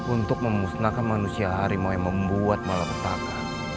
untuk memusnahkan manusia harimau yang membuat malapetaka